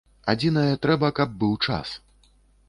Адзінае, трэба, каб быў час.